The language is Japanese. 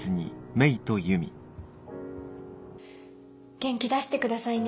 元気出してくださいね。